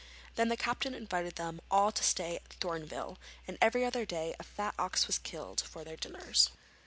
Then the captain invited them all to stay at Thorneville, and every other day a fat ox was killed for their dinners.